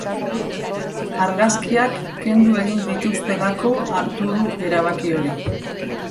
Argazkiak kendu egin dituztelako hartu du erabaki hori.